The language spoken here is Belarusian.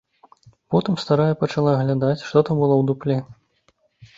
Потым старая пачала аглядаць, што там было ў дупле.